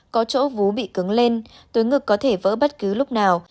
có chỗ vú bị cứng lên túi ngực có thể vỡ bất cứ lúc nào